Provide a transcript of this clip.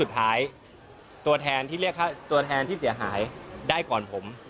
ตัวแทนที่เสียหายได้ก่อนผม